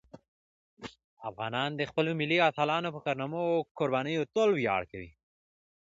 افغانان د خپلو ملي اتلانو په کارنامو او قربانیو تل ویاړ کوي.